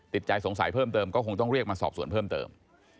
ใจสงสัยเพิ่มเติมก็คงต้องเรียกมาสอบสวนเพิ่มเติม